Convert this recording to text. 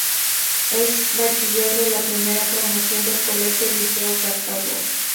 Es bachiller de la primera promoción del Colegio Liceo Cartago.